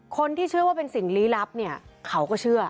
คนที่เชื่อว่าเป็นสิ่งลี้ลับเนี่ยเขาก็เชื่อ